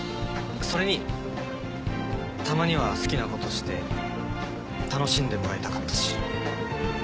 それにたまには好きなことして楽しんでもらいたかったし。